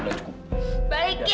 dengan cara kayak kategori dia